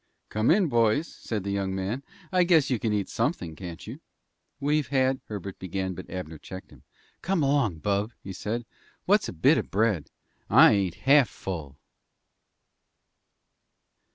"Come in, boys," said the young man. "I guess you can eat something, can't you?" "We've had " Herbert began, but Abner checked him. "Come along, bub," he said. "What's a bit of bread? I ain't half full."